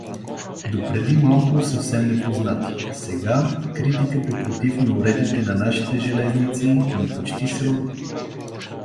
Допреди малко съвсем непознати, сега критиката против неуреда на нашите железници ни почти сродни.